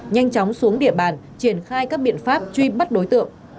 nhanh chóng xuống địa bàn triển khai các biện pháp truy bắt đối tượng